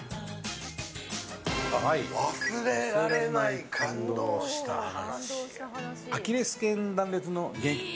忘れられない感動した話。